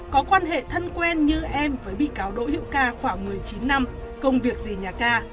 có quan hệ thân quen như em với bị cáo đỗ hiễu ca khoảng một mươi chín năm công việc gì nhà ca